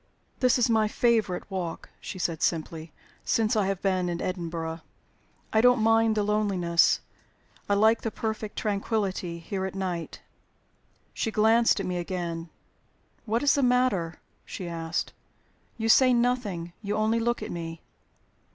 "This is my favorite walk," she said, simply, "since I have been in Edinburgh. I don't mind the loneliness. I like the perfect tranquillity here at night." She glanced at me again. "What is the matter?" she asked. "You say nothing; you only look at me."